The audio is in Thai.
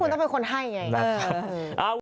คุณต้องเป็นคนให้ไง